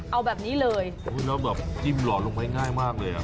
เอาแบบนี้เลยแล้วแบบจิ้มหล่อลงไปง่ายมากเลยอ่ะ